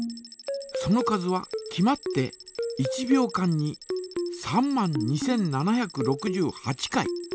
その数は決まって１秒間に３万２，７６８回。